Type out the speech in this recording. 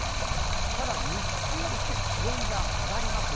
ただ、日中は気温が上がります。